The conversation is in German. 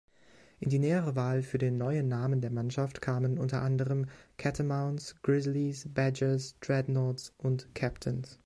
In die nähere Wahl für den neuen Namen der Mannschaft kamen u. a. Catamounts, Grizzlies, Badgers, Dreadnaughts und Captains.